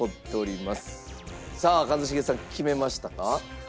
さあ一茂さん決めましたか？